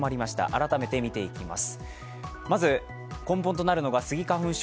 改めて見ていきます。